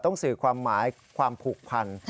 สื่อความหมายความผูกพัน